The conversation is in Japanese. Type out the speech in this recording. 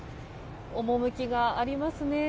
趣がありますね。